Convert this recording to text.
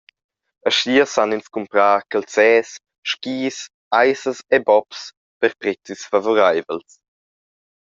Aschia san ins cumprar calzers, skis, aissas e bobs per prezis favoreivels.